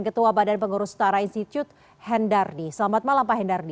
ketua badan pengurus setara institute hendardi selamat malam pak hendardi